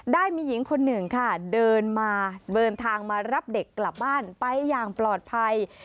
ได้มีหญิงคนหนึ่งค่ะเดินมาเดินทางมารับเด็กกลับบ้านไปอย่างปลอดภัย